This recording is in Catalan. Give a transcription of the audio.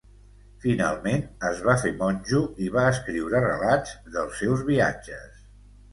Finalment es va fer monjo i va escriure relats dels seus viatges.